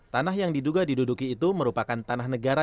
tanah yang diduga diduduki itu merupakan tanah negara